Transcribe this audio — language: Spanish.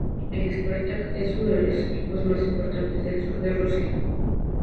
El Spartak es uno de los equipos más importantes del sur de Rusia.